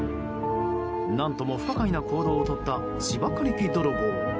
何とも不可解な行動をとった芝刈り機泥棒。